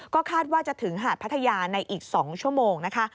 ก็คาดว่าจะถึงหาดพัทยาในอีก๒ชั่วโมงนะคะ